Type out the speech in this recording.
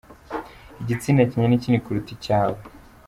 Igitsina cyanjye ni kinini kuruta icyawe.